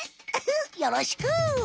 よろしく！